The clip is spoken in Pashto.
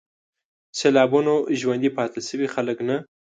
سېلابونو ژوندي پاتې شوي خلک نه